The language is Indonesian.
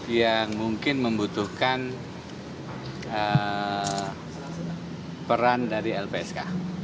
yang mungkin membutuhkan peran dari lpsk